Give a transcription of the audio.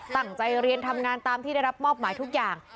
ตั้งใจเรียนทำงานตามที่ได้รับมอบหมายทุกอย่าง